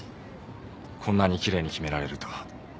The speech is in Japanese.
こんなにきれいに決められると。